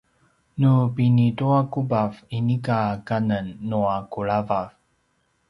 nu pinituakubav inika kanen nua kulavav